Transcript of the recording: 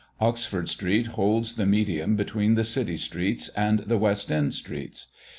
Oxford street holds the medium between the city streets and the West end streets.